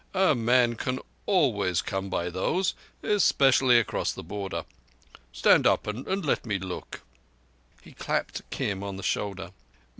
A man can always come by those—especially across the Border. Stand up and let me look." He clapped Kim on the shoulder.